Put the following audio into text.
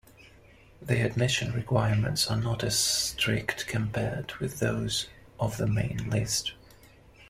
The admission requirements are not as strict compared with those of the Main List.